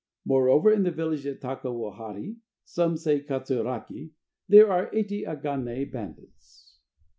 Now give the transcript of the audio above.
Moreover in the village of Taka wohari (some say Katsuraki) there are eighty Akagane bandits.